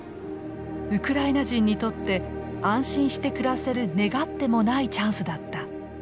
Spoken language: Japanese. ウクライナ人にとって安心して暮らせる願ってもないチャンスだった。